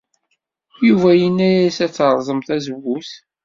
Yuba yenna-as ad terẓem tazewwut.